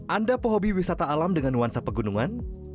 anda pehobi wisata alam dengan nuansa pegunungan